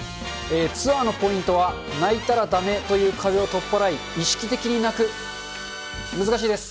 ツアーのポイントは、泣いたらだめという壁を取っ払い、意識的に泣く。